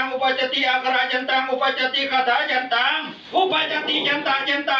โอ้มหมะหมะมามา